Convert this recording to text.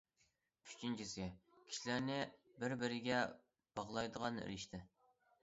ئۈچىنچىسى، كىشىلەرنى بىر- بىرىگە باغلايدىغان رىشتە.